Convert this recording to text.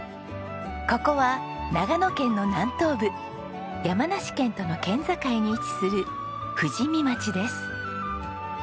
ここは長野県の南東部山梨県との県境に位置する富士見町です。